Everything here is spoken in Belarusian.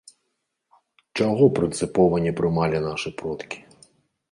Чаго прынцыпова не прымалі нашы продкі?